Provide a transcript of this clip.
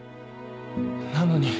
なのに。